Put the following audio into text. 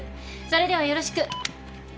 それではよろしく。